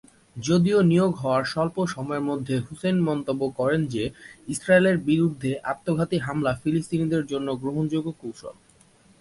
যদিও নিয়োগ হওয়ার স্বল্প সময়ের মধ্যে হুসেইন মন্তব্য করেন যে ইসরায়েলের বিরুদ্ধে আত্মঘাতী হামলা ফিলিস্তিনিদের জন্য গ্রহণযোগ্য কৌশল।